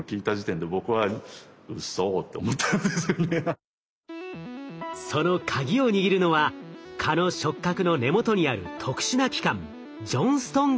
ある時そのカギを握るのは蚊の触角の根元にある特殊な器官ジョンストン